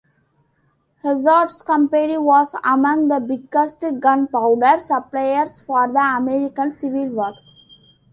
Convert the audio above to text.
Hazard's company was among the biggest gunpowder suppliers for the American Civil War.